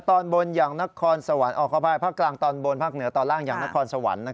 ออกขวาไปภาคกลางตอนบนภาคเหนือตอนล่างอย่างนครสวรรค์